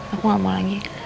aku gak mau lagi